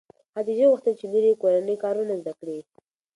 خدیجې غوښتل چې لور یې کورني کارونه زده کړي.